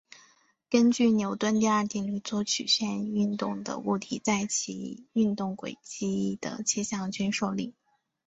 根据牛顿第二定律做曲线运动的物体在其运动轨迹的切向均受力。